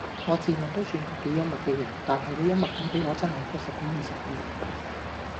我自問都算個幾幽默既人但係你幽默感比我真係高十幾二十倍